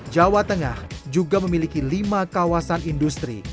jawa tengah juga memiliki lima kawasan industri